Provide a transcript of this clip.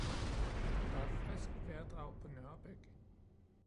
Der er friskt vejrdrag på nørrebæk